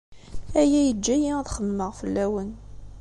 Aya yeǧǧa-iyi ad xemmemeɣ fell-awen.